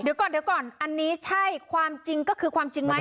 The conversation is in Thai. เดี๋ยวก่อนอันนี้ใช่ความจริงก็คือความจริงไหม